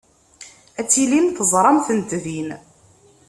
Ad tilim teẓram-tent din.